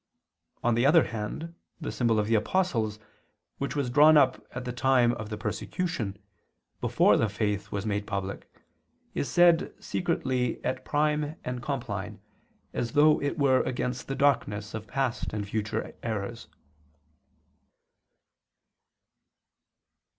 On the other hand the symbol of the Apostles, which was drawn up at the time of persecution, before the faith was made public, is said secretly at Prime and Compline, as though it were against the darkness of past and future errors.